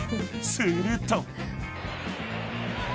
すると。